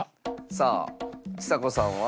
さあちさ子さんは？